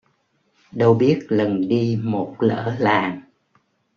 Đâu biết lần đi một lỡ làng